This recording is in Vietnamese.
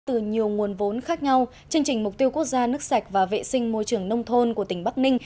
từ nhiều nguồn vốn khác nhau chương trình mục tiêu quốc gia nước sạch và vệ sinh môi trường nông thôn của tỉnh bắc ninh